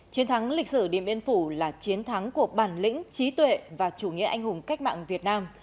chiến thắng lịch sử điện biên phủ là chiến thắng của bản lĩnh trí tuệ và chủ nghĩa anh hùng cách mạng việt nam